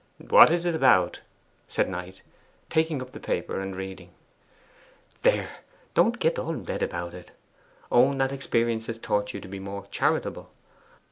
'What is it about?' said Knight, taking up the paper and reading. 'There: don't get red about it. Own that experience has taught you to be more charitable.